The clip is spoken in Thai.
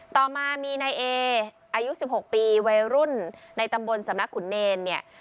ต่อมามีนายเออายุ๑๖ปีวัยรุ่นในตำบลสำนักขุนเนรเนี่ย